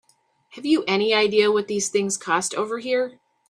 Have you any idea what these things cost over here?